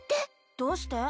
どうして？